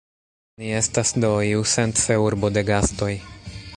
Ni estas, do, iusence urbo de gastoj.